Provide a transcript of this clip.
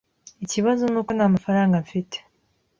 Ikibazo nuko ntamafaranga mfite.